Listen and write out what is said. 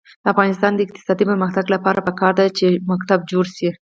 د افغانستان د اقتصادي پرمختګ لپاره پکار ده چې ښوونځي جوړ شي.